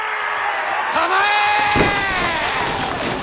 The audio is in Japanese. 構え！